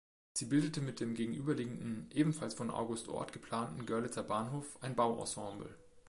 Sie bildete mit dem gegenüberliegenden, ebenfalls von August Orth geplanten Görlitzer Bahnhof ein Bauensemble.